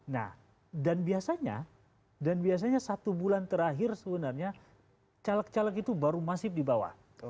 nah dan biasanya dan biasanya satu bulan terakhir sebenarnya caleg caleg itu baru masif di bawah